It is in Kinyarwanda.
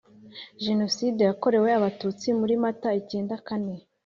Jenoside yakorewe abatutsi muri Mata icyenda kane,